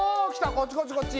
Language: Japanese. こっちこっちこっち。